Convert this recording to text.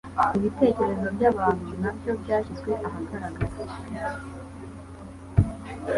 ibitekerezo by'abantu nabyo byashyizwe ahagaragara